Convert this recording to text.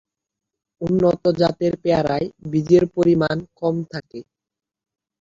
উন্নত জাতের পেয়ারায় বীজের পরিমাণ কম থাকে।